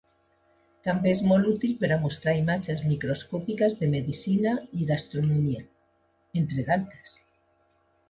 També és molt útil per a mostrar imatges microscòpiques, de medicina, i d'astronomia, entre d'altres.